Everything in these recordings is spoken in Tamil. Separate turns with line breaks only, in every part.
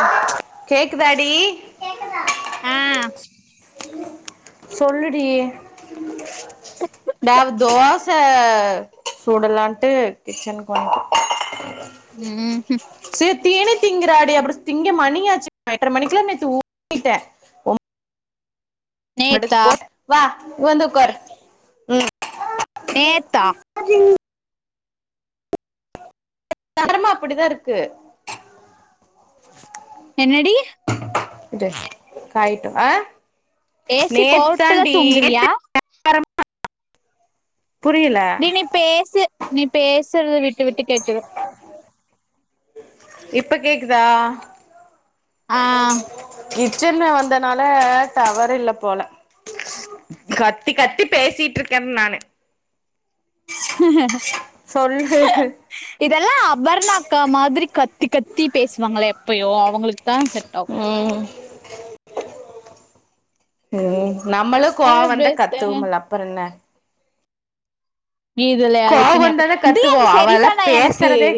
ஆ
கேக்குதாடி சொல்லு டி ந்தாவ தோஸ் ச சுடலான்ட்டு கிச்சனுக்கு வன்டே
ம்
எ தீனி திங்கிறாடி அப்பற திங்க மணியாச்சு எட்ர மணிக்குலா நேத்து [inaudible] ட்டே ஒம் மடக்கு
நேத்தா
போட் வா வந்து உக்காரு ம்
நேத்தா
ஜ தெரம அப்டிதா இருக்கு
என்னடி
இது காயட்டு ஆ
ஏசி போட்டுதா
நேத்தாண்டி
தூங்குறியா
நேத்து பரம் [inaudible]
நீ நீ பேசு நீ பேசுறது விட்டு விட்டு கேக்குது
இப்ப கேக்குதா
ஆ
கிச்சன்ல வந்தனால டவர் இல்ல போல கத்தி கத்தி பேசிட்ருக்கேன் நானு
[inaudible]
சொல்லு
இதெல்லா அபர்ணாக்கா மாரி கத் கத்தி கத்தி பேசுவாங்களே எப்பயோ அவுங்களுக்கு தா செட் ஆகு
ம் ம் நம்மளு கோவோ வந்த
எவ்ரிதிங்
கத்துவோம்ல அப்றோ என்ன
இதுல
கோவோ
அதுக்குன்னு
வந்தா
எப்ப
தா
இது
கத்துவோ
அந்த
அவல்லா
செரிஃபானா எனக்கு
பேசுறதே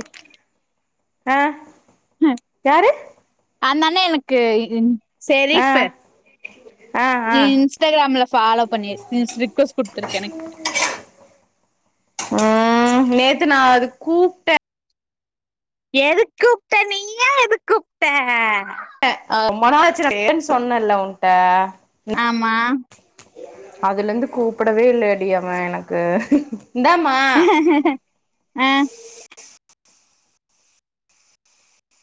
ஆ யாரு
என்ன எனக்கு ன் சேரி
ஆ
சார்
ஆ ஆ
நீ இன்ஸ்டாகிராம்ல ஃபாலோ பண்ணிரு ரிக்வஸ்ட் குடுத்திருக்க எனக்கு
ம் நேத்து நா அது கூப்டே
எதுக் கூப்ட நீயா எதுக் கூப்ட
க அ மன ஒளைச்சல்ல இருக்கேன்னு சொன்னேல்ல உன்கிட்ட
ஆமா
அதுலந்து கூப்புடவே இல்லடி அவே எனக்கு
ஆ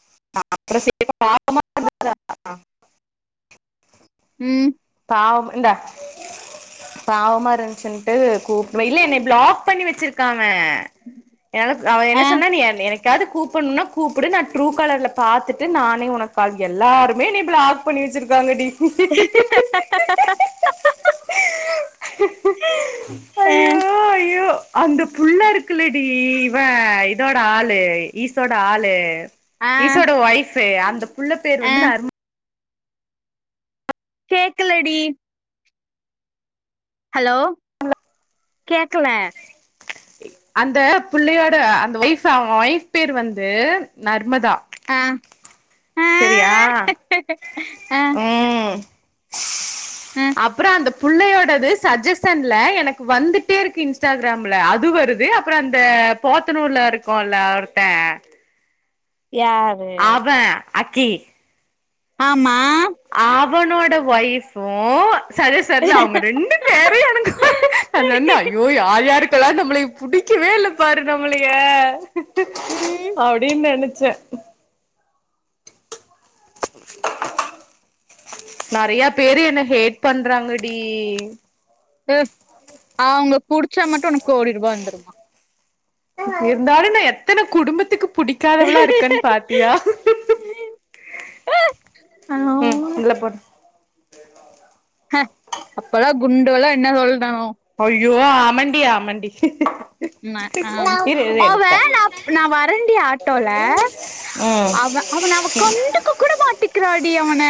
[inaudible]
ம்
ஆவ் இந்தா இல்ல என்னய பிளாக் பண்ணி வச்சிருக்கா அவே வே என்னக் அவே என்ன
ஆ
சொன்னா நீ என எனக் என்னைக்காவது கூப்புட்னோம்னா கூப்புடு நா ட்ரூ கலர்ல பாத்துட்டு நானே உனக் கால் எல்லாருமே நீ பிளாக் பண்ணி வச்சிருக்காங்க டி
அ
ஐயோ ஐயோ அந்த புள்ள இருக்குலடி இவே இதோட ஆளு ஈசோட ஆளு
ஆ
ஈசோட வைஃப் அந்த புள்ள பேர்
ஆ
வந்து நர்ம
கேக்கலடி ஹலோ கேக்கல
அந்த பிள்ளையோட அந்த வைஃப் அவே வைஃப் பேர் வந்து நர்மதா
ஆ ஆ
செரியா
ஆ
ம்
ஆ
அப்றோ அந்த புள்ளையோடது சஜஷன்ல எனக்கு வந்துட்டே இருக்கு இன்ஸ்டாகிராம்ல அது வர்து அப்புறோ அந்த போத்தனூர்ல இருக்கும்ல ஒருத்தே
யாரு
அக்கி
ஆமா
அவனோட வைஃப் ஒ சரஸ் சார்ல அவுங்க ரெண்டு பேரையு எனக்கு நா சொன்னே ஐயோ யார் யாருக்கெல்லா நம்மள இப் புடிக்கவே இல்ல பாரு நம்மளய
ம்
அப்டின்னு நெனைச் சே [inaudible] நறைய பேரு என்ன ஹேட் பண்றாங்கடி
ஹ அவுங்க புடிச்சா மட்டு உனக்கு கோடி ரூபா வந்துருமா
இருந்தாலு நா எத்தன குடும்பத்துக்கு புடிக்காதவளா இருக்கன்னு பாத்தியா
ஆ
ம் இதுல போடு
உன்ன சொல்டனோ
யோ ஆமண்டி ஆமண்டி
ம்ம அம்
இரு இரு
அவே
எடுத்தர்ற
நா நா வரண்டி ஆட்டோல
ம்
அவே அவ கண்டுக்க கூட மாட்டிக்கிறாடி அவன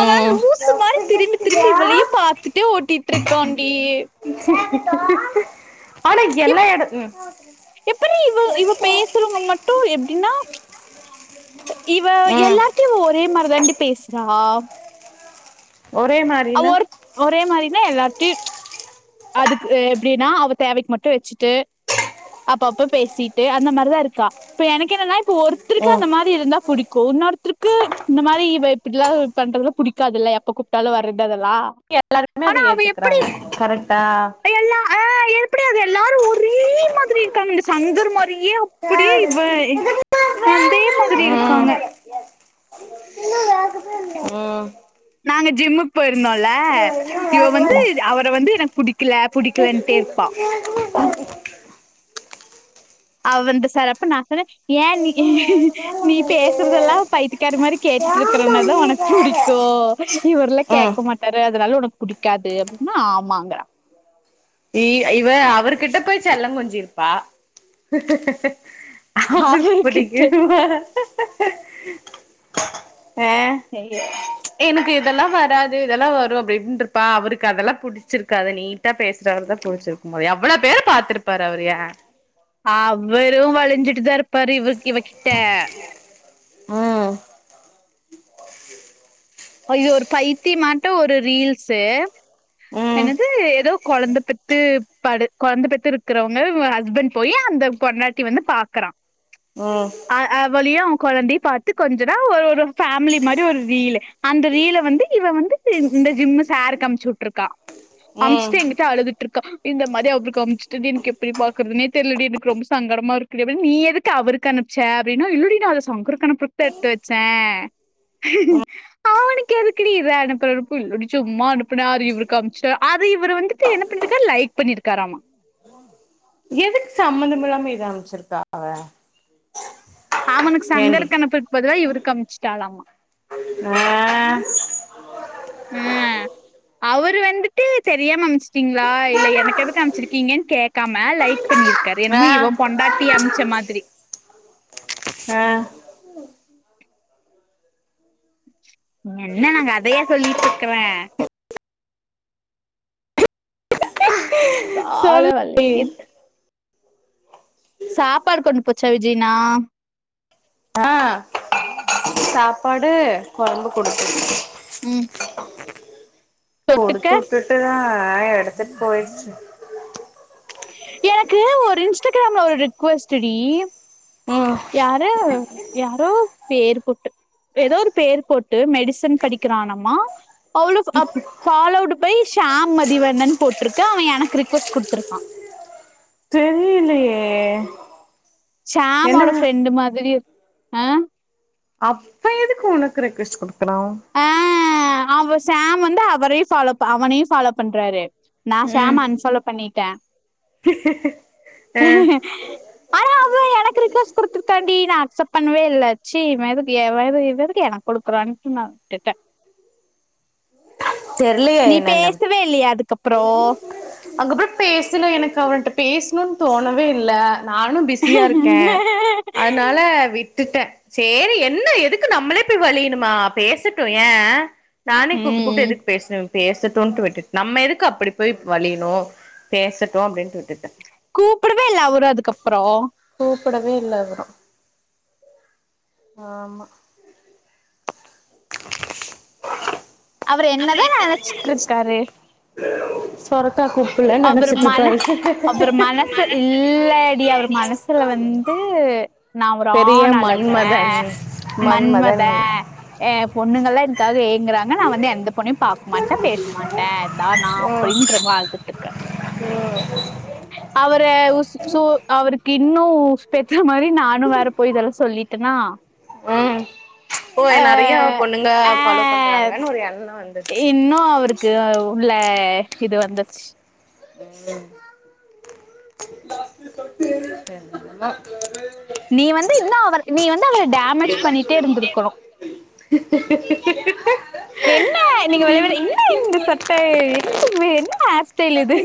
அவே லூசு மாரி திரும்பி திரும்பி இவளையே பாத்துட்டே ஓட்டிட்டு இருக்கான் டி
ஆனா எல்லா எட
எப்டி இவ இவ பேசுறவங்க மட்டு எப்டின்னா இவ
ம்
எல்லார்டையு ஒரே மாரி தாண்டி பேசுறா
ஒரே மாரினா
ஒருத் ஒரே மாரின்னா எல்லார்டையு அதுக் எப்டின்னா அவ தேவைக்கு மட்டு வச்சுட்டு அப்ப அப்ப பேசிட்டு அந்த மாரிதான் இருக்கா இப்ப எனக்கு என்னன்னா ஒருத்தருக்கு
ம்
அந்த மாரி இருந்தா புடிக்கு இன்னொருத்தருக்கு இந்த மாரி இப்படல்லா பண்றதுல புடிக்காதுல்ல எப்ப கூப்ட்டாலு வர்றது லா
எல்லாருமே அத
ஆனா அவ எப்டி
ஏத்துக்குறாங்க கரெக்டா
எல்லா ஆ எப்படியாது எல்லாரு ஒரே மாதிரி இருக்க சங்கர் மாதி நி ஏ அப்படியே
ஆமா
இவ அதே மாதிரி இருக்காங்க
ம்
நாங்க ஜிம்முக்கு போயிருந்தோல இவ வந்து அவரை வந்து எனக்கு புடிக்கல புடிக்கல இன்ட்டே இருப்பா அவ வந்து சார் அப்பனா ஏன் நீ நீ பேசுறதெல்லா பைத்தக்காரி மாதிரி கேட்டுட்டு இருக்கறன தான்
நீ
உனக்கு புிடி
வேற
க்க இவருல்லா
ம்
கேட்க மாட்டாரு அதனால உனக்கு புடிக்காது அப்டின்னா ஆமாங்கிறா
இ இவ அவர்கிட்ட போயி செல்லம் கொஞ்சிருப்பா அவரு
அவருகிட்ட
புடிக்குதும ஆ
ஐய
எனக்கு இதெல்லா வராது இதெல்லா வரும் அப்இப்படினுரப்பா அவருக்கு அதெல்லா புடிச்சிருக்காது நீட்டா பேச அவர தா புடிச்சிருக்கும் போல எவ்வளோ பேரு பாத்துிருப்பாரு அவரு
அவரும் வலிஞ்சிட்டுதா இருப்பாரு இவ இவ கிட்ட
ஆ
ஐயோ ஒரு பைத்தி மாட்டம் ஒரு ரீல்ஸு
ம்
குழந்தபெத்து படு குழந்தபெத்து இருக்கிறவங்கல் ஹஸ்பண்ட் போய் அந்த பொண்டாட்டி வந்து பாக்குறா
ம்
அ அவலியு குழந்தைய பாத்து கொஞ்சனா ஒரு ஒரு பேமிலி மாரி ஒரு ரீல்லு அந்த ரீல வந்து இவ வந்து இந்த ஜிம் சாருக்கு அம்ச்சுட்டு இருக்கா
ம்
அமுச்சுட்டு எங்கிட்ட அழுதுட்டு இருக்க இந்த மாரி அவரு அமிச்சுட்டடி எனக்கு எப்படி பாக்குறதுே தெரிலடி எனக்கு ரொம்ப சங்கடமா இருக்குடி நீ எதுக்கு அவ அவருக்கு அனுப்ச்ச அப்படின்னா இல்லடி நான் அத சங்கருக்கு அனுப்புற எத்து வச்சே
ம்
அவனுக்கு எதுக்குடி இவ அனுப்புற இல்லடி சும்மா அனுப்புனா அரு கம்சுட அது இவரு வந்துட்டு என்ன பண்ணிருக்கார் லைக் பண்ணிருக்காரமா
எதுக் சம்பந்தம் இல்லாம இத அமைச்சிருக்கா அவ
அவனுக்கு
ஏண்டி
சங்கர் அணுப்புருக்கு பதிலா இவருக்கு அமிச்சுிட்டாளாமா
ஆ
ம் ஆ அவரு வந்துட்டு தெரியாம அமைச்சுட்டீங்களா இல்ல எனக்கு எதுக்கு அமைச்சிருக்கீங்கன்னு கேக் க்காம லைக் பண்ணிருக்காரு என்னமோ
ஆ
இவன் பொண்டாட்டி அமைச்ச மாதிரி
ஆ
என்ன நாங்கதையா சொல்லிட்டு இருக்கறே கால
சொல்லு
வலிக்கிது சாப்பாடு கொண்டு போச்சா விஜய்னா
ஆ சாப்பாடு குழம்பு கொடுக்கும்
ம் தொட்டுக்க
கொடுத்து உட்டுட்டு ஆ எடுத்துட் போயிச்சு
எனக்கு ஒரு இன்ஸ்டாகிராம்ல ஒரு ரிக்வஸ்ட் டி
ம்
யாரு யாரோ பேரு பொட்டு எதோ ஒரு பேர் போட்டு மெடிசன் படிக்கிறனாம்மா அவ்ளோ அப் பாலோடு ஃபைஸ் டாம் மதிவண்ணன் போட்ருக்கு அவ எனக்கு ரி்க்வஸ்ட் குடுத்ருக்கா
தெரியலையே என்ன
ஷேமோட ஃப்ரெண்டு் மாதிரி அ
அப்ப எதுக்கு உனக்கு ரெக்வெஸ்ட்டு குடுக்குலாம்
ஆ அவ ஷேம் வந்து அவரையு ஃபாலோ அவனையு ஃபாலோ பண்றாரு நா
ம்
ஷேம்ம அன்ஃபாலோ பண்ணிட்ட
ஆ
ஆனா அவ எனக்கு ரி்க்வெஸ்ட் குடுத்துருக்காண்டி நா அக்ச்ப் பண்ணவே இல்லா சி இவ எதுக்கு இவ எது இவ எதுக்கு எனக்கு கொடுறான்ட்டு நா விட்டுட்ட நீ பேசவே இல்லியா அதுக்கப்
அங்கப்புறோ பேசல எனக்கு அவன்ட்ட பேஸ்ணுன் தோணவே இல்ல நானு பிஸியாருக்கே அதனால விட் டுட்ட சேரி என்ன எதுக்கு நம்ளே போய் வலியனுமா பேசட்டு ஏ நானே கூப்டு கூப்டு
ம்
எதுக்கு பேசணு பேசட்டுன்டு விட்டுட் நம்ம எதுக் கு அப்டி போய் வலியணு பேசட்டு அப்டின்ட்டு விட்டுட்ட
கூப்பிடவே இல்ல அவரு அதுக்கப்றோ
குடவே இல்ல அவரு ஆமா [inaudible]
அவரு என்னதா நெனச்சிட்ருக்காரு
சொரக் குள்ள நெனச்சிட்ருக்காரு
அவரு மனசு இல்லடி அவரு மனசுல வந்து நா ஒரு
பெரிய
ஆண்ணலக
மன்மதன்
மன்மத
மன்மதன்
பொண்ணுங்கல்லா எனக்காக ஏங் ஏங்கறாங்க நா வந்து எந்த பொண்ணயு பாக் மாட்ட பேச் மாட்ட இதா நா அப்டின்ற மாதிரி
ஒ
அவர உஸ் சு அவுருக்கு இன்னு உசுப்பேத்துர மாரி நானு வேற போய் இதெல்லா சொல்லிட்டனா
ஒ நெறைய பொண்ணுங்க
ஆ
ஃபாலோ பண்றாங்கன் ஒரு எண்
இன்னும் அவுருக்கு உள்ள இது வந்துச்சி
ம் என்னமோ
நீ வந்து இன்னு அவர் நீ வந்து அவர டேமேஜ் பண்ணிட்டே இருந்திருக்கணு
[unintelligible]
என்ன நீங்க வரவர என்ன இந்த சட்ட என்னமே என்ன ஹேர்ஸ்டைலு இது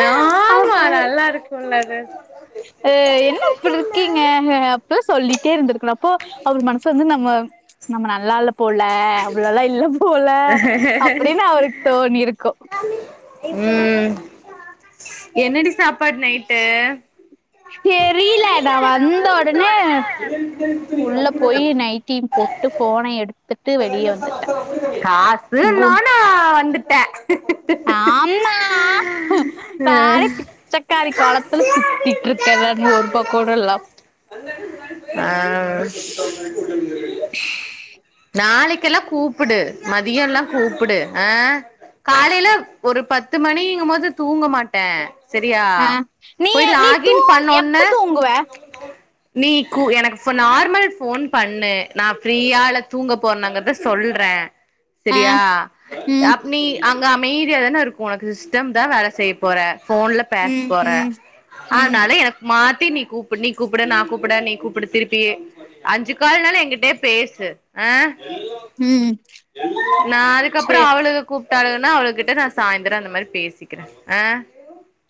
ஆமா
அப்ப
நல்லாருக்குல்ல அது
அ என்ன இப்புட்ருக்கீங்க அப்பல்லா சொல்லிட்டே இருந்திருக்கலா அப்போ அவர் மனசுலந்து நம்ம நம்ம நல்லால்ல போல அவ்ளோலா இல்ல போல அப்டின்னு அவருக்கு தோணியிருக்கும்.
ம் என்னடி சாப்பாடு நைட்டு
தெரில நா வந்த ஒடனே உள்ள போய் நைட்டி போட் டு ஃபோன எடுத் கும்
காசுன்னோன வந்துட்ட
ஆமா நானே பிச்சக்காரி கோளத்துல சுத்திட்ருக்கேல இன்னொருபா கூடல்லா [inaudible]
அ நாளைக்கெல்லா கூப்புடு மதியோல்லா கூப்புடு அ காலைல ஒரு பத்து மணிங்கு போது தூங்க மாட்ட செரியா
ஆ நீ
போய்
நீ தூ
லாகின் பண்ணோன
எப்ப தூங்குவ?
நீ கூ எனக்கு ஃப் நார்மல் ஃபோன் பண்ணு நா ஃப்ரீயா இல்ல தூங்க போர்னாங்கற்த சொல்ற
ஆ
செரியா
ம்
அப் நீ அங்க அமைதியா தானேருக்கு உனக்கு சிஸ்டம் தா வேல செய்ய போற ஃபோன்ல பேஸ்
ம்
போற
ம் ம்
ஆனால எனக் மாத் தி நீ கூப்புட் நீ கூப்புட நா கூப்புட நீ கூப்புடு திருப்பி அஞ்சி கால்னால எங்கிட்டயே பேசு ஆ
ம்
நா
சரி.
அதுக்கப்புறோ அவளுக்கு கூப் சடர்டென்னா அவளுக்கிட்ட நா சாய்ந்திர அந்த மாரி பேசிக்கிறே ஆ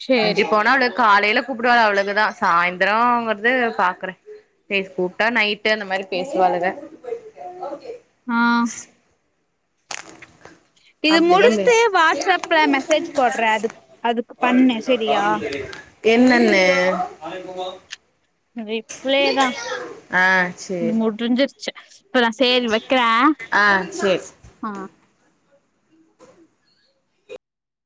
சேரி
மிஞ்சு போனா அவளுக் காலையில கூப்பிடுவாள அவளுக்குதா சாய்ந்திரோங்குறது பாக்குறே பேச் கூப்ட்டா நைட்டு அந்த மாரி பேசுவாளுங்க
ஆ இது
அப்டிதா
முடிச்சட்டு
பேசு
வாட்ஸ்அப்ல மெசேஜ் போடுற அதுக் அதுக்கு பண்ணு செரியா
என்னன்னு
அது இப்ள்ளேதா
ஆ
இன்னு
சேரி
முடிஞ்சிருச்சு அப்ப நா சேரி வைக்குறே
ஆ சேரி
ஆ